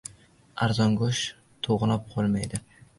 • Arzon go‘sht to‘g‘nab qolmaydi.